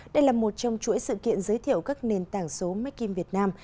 đây là một trong chuỗi sự kiện giới thiệu các nền tảng số makem việt nam